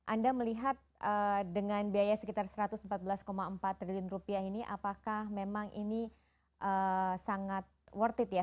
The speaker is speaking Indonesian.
anda melihat dengan biaya sekitar satu ratus empat belas empat triliun rupiah ini apakah memang ini sangat worth it ya